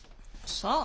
さあ。